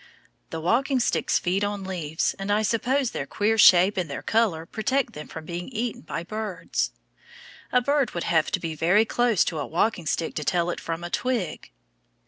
The walking sticks feed on leaves, and I suppose their queer shape and their color protect them from being eaten by birds. A bird would have to be very close to a walking stick to tell it from a twig.